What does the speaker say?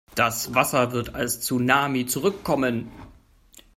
Das Wasser wird als Tsunami zurückkommen.